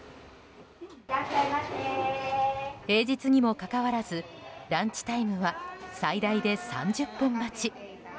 平日にもかかわらずランチタイムは最大で３０分待ち。